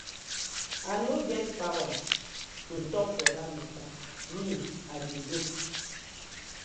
I no get powaar to tok for dat matta, me I dey go.